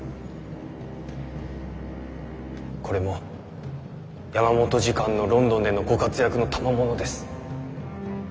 これも山本次官のロンドンでのご活躍のたまものです。